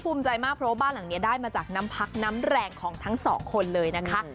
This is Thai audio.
เพราะบ้านหลังนี้ได้มาจากน้ำพักน้ำแรงของทั้งสองคนเลยนะคะ